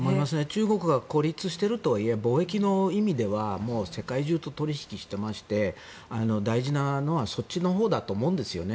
中国が孤立しているとはいえ貿易の意味ではもう世界中と取引してまして大事なのはそっちのほうだと思うんですよね。